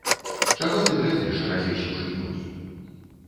Чаго ты дрэмлеш, развесіўшы нюні.